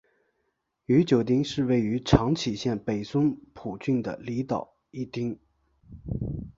宇久町是位于长崎县北松浦郡的离岛的一町。